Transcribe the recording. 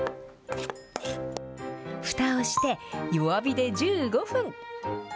ふたをして、弱火で１５分。